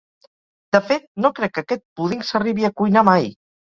De fet, no crec que aquest púding s'arribi a cuinar mai!